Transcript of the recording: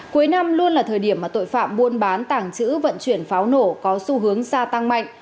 cuối năm luôn là thời điểm mà tội phạm buôn bán tảng chữ vận chuyển pháo nổ có xu hướng ra tăng mạnh